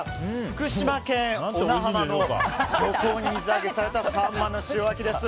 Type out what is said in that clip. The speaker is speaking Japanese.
福島県小名浜の漁港で水揚げされたサンマの塩焼きです。